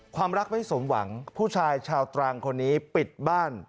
ความรักไม่สมหวังผู้ชายชาวตรังคนนี้ปิดบ้าน